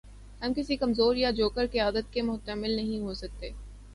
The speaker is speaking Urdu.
ہم کسی کمزور یا جوکر قیادت کے متحمل نہیں ہو سکتے۔